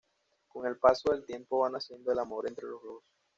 Con el paso del tiempo va naciendo el amor entre los dos.